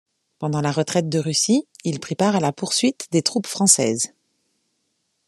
Pendant la retraite de Russie, il prit part à la poursuite des troupes françaises.